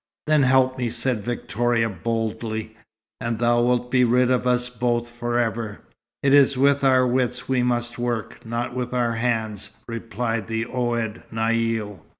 "Then help me," said Victoria, boldly, "and thou wilt be rid of us both forever." "It is with our wits we must work, not with our hands," replied the Ouled Naïl.